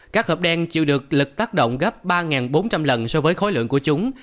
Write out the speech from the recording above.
các hợp đen chịu được lực tác động gấp ba bốn trăm linh lần so với khối lượng của chúng